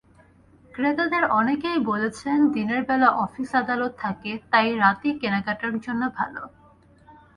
ক্রেতাদের অনেকেই বলেছেন, দিনের বেলা অফিস-আদালত থাকে, তাই রাতই কেনাকাটার জন্য ভালো।